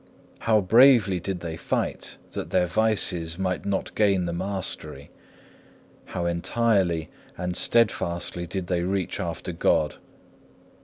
how bravely did they fight that their vices might not gain the mastery! how entirely and steadfastly did they reach after God!